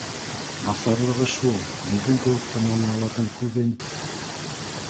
— Насарлығы шул: беҙҙең кеүек томаналарҙың күҙен